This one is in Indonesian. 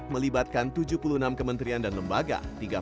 melibatkan tujuh puluh enam kementerian dan lembaga